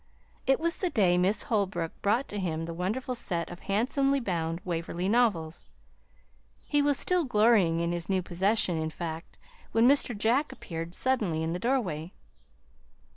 It was the day Miss Holbrook brought to him the wonderful set of handsomely bound "Waverley Novels." He was still glorying in his new possession, in fact, when Mr. Jack appeared suddenly in the doorway.